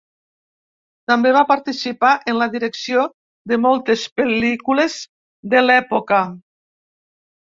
També va participar en la direcció de moltes pel·lícules de l’època.